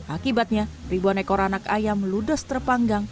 akibatnya ribuan ekor anak ayam ludes terpanggang